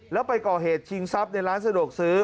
แล้วไปก่อเหตุชิงทรัพย์ในร้านสะดวกซื้อ